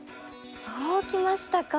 そうきましたか。